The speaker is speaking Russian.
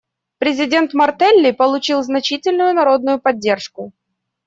Президент Мартелли получил значительную народную поддержку.